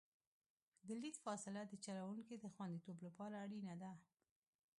د لید فاصله د چلوونکي د خوندیتوب لپاره اړینه ده